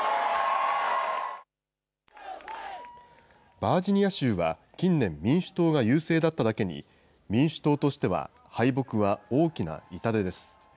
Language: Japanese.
バージニア州は近年、民主党が優勢だっただけに、民主党としては敗北は大きな痛手です。